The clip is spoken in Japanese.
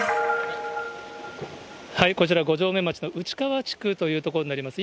こちら、五城目町の内川地区という所になります。